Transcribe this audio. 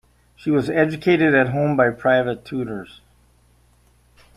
She was educated at home by private tutors.